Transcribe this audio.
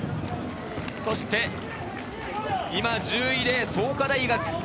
そして今１０位で創価大学。